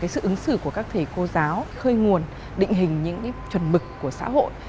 sự ứng xử của các thầy cô giáo khơi nguồn định hình những chuẩn mực của xã hội